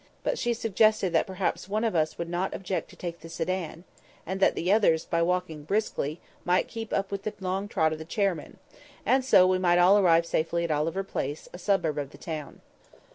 But she suggested that perhaps one of us would not object to take the sedan, and that the others, by walking briskly, might keep up with the long trot of the chairmen, and so we might all arrive safely at Over Place, a suburb of the town.